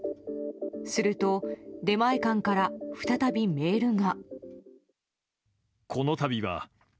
すると、出前館から再びメールが。